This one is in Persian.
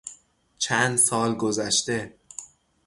چند سال گذشته